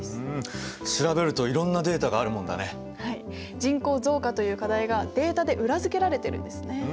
人口増加という課題がデータで裏付けられてるんですね。